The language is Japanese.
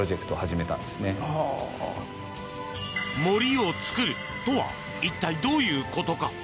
森をつくるとは一体どういうことか。